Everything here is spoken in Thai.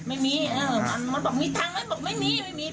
ไม่มีมันบอกมีตังค์ไหมบอกไม่มีไม่มีปล่อยแบบนี้